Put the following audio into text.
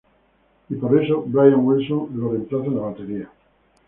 Y por eso Brian Wilson lo reemplazó en la batería.